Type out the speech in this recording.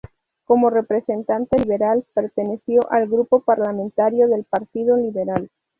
Como representante liberal, perteneció al grupo parlamentario del Partido Liberal.